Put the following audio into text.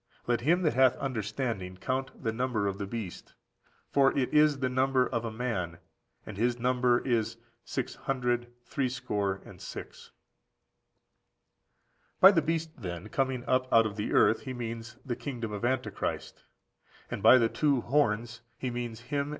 Let him that hath understanding count the number of the beast; for if is the number of a man, and his number is six hundred threescore and six."15001500 Rev. xiii. 11–18. 49. By the beast, then, coming up out of the earth, he means the kingdom of Antichrist; and by the two horns he means him and the false prophet after him.